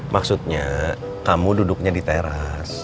maksudnya kamu duduknya di teras